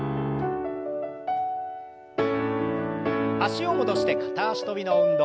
脚を戻して片脚跳びの運動。